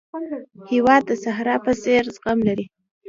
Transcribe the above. هېواد د صحرا په څېر زغم لري.